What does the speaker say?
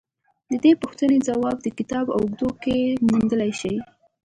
د دې پوښتنې ځواب د کتاب په اوږدو کې موندلای شئ